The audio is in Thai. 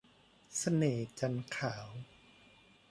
เสน่ห์จันทร์ขาว